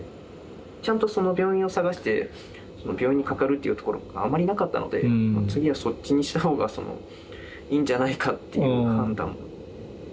ちゃんとその病院を探して病院にかかるっていうところがあんまりなかったので次はそっちにした方がいいんじゃないかっていう判断を。